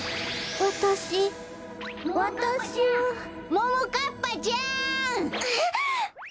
ももかっぱちゃん！はあ！